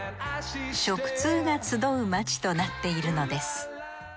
食通が集う街となっているのです。